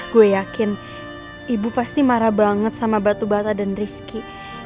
gue yakin ibu pasti marah banget sama batu bata dan rizki